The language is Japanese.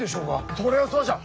それはそうじゃ。